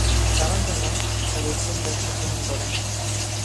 তারা যেন তার উত্তম ব্যাখ্যা গ্রহণ করে।